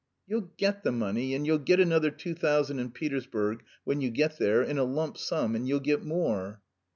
"You'll get the money and you'll get another two thousand in Petersburg, when you get there, in a lump sum, and you'll get more."